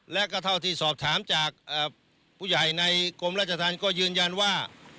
และก็เท่าที่สอบถามจากผู้ใหญ่ในกรมราชธรรมก็ยืนยันว่า